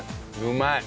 うまい。